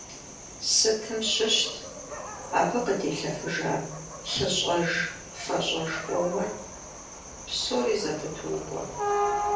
Сытым щыщыт абы къыдилъэфыжа лъыщӏэж-фэщӏэж къомыр… Псори зэпыту укӏуэ.